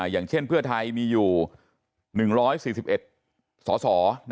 อย่างเช่นเพราะไทยมี๑๔๑สอสอ